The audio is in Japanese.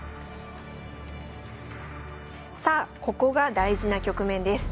さあここが大事な局面です。